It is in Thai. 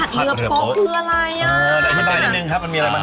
ผัดเรือโป๊ตคืออะไรอ่ะ